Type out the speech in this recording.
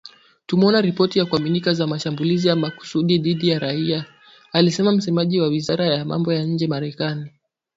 "Tumeona ripoti za kuaminika za mashambulizi ya makusudi dhidi ya raia", alisema msemaji wa wizara ya mambo ya nje Marekani.